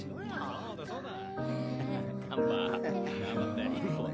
そうだそうだ。